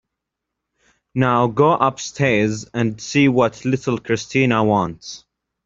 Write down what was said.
Now go upstairs and see what little Christina wants.